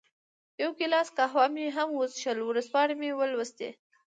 یو ګیلاس قهوه مې هم وڅېښل، ورځپاڼې مې ولوستې.